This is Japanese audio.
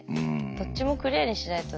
どっちもクリアにしないとね。